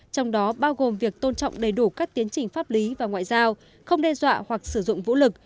trong đó bao gồm việc tôn trọng đầy đủ các tiến trình pháp lý và ngoại giao không đe dọa hoặc sử dụng vũ lực